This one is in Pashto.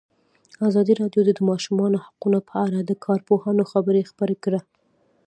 ازادي راډیو د د ماشومانو حقونه په اړه د کارپوهانو خبرې خپرې کړي.